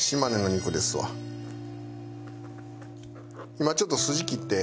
今ちょっと筋切って。